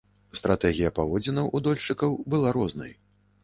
Стратэгія паводзінаў у дольшчыкаў была рознай.